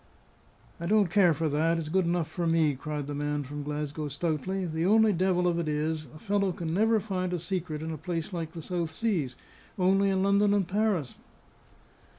"I don't care for that; it's good enough for me," cried the man from Glasgow, stoutly. "The only devil of it is, a fellow can never find a secret in a place like the South Seas: only in London and Paris."